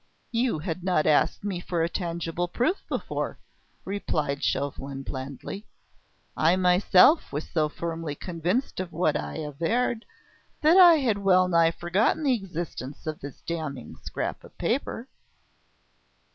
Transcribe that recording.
"You had not asked me for a tangible proof before," replied Chauvelin blandly. "I myself was so firmly convinced of what I averred that I had well nigh forgotten the existence of this damning scrap of paper."